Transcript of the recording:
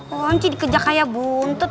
ponci dikeja kayak buntut